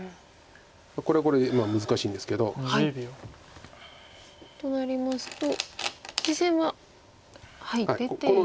これはこれで難しいんですけど。となりますと実戦は出ていきましたか。